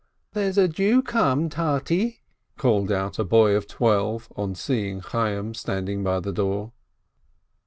"There's a Jew come, Tate!" called out a boy of twelve, on seeing Chayyim standing by the door.